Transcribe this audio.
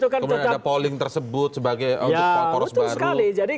kemudian ada polling tersebut sebagai untuk poros baru